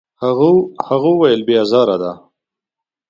هغه وویل: «بې ازاره ده.»